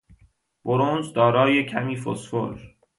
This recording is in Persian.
برنز دارای کمی فسفر